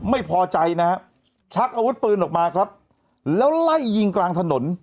ไม่พอใจนะฮะชักอาวุธปืนออกมาครับแล้วไล่ยิงกลางถนน